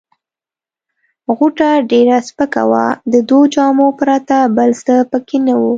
غوټه ډېره سپکه وه، د دوو جامو پرته بل څه پکښې نه وه.